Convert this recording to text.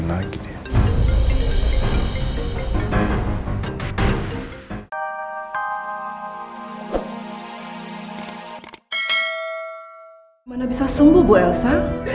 gimana bisa sembuh bu elsa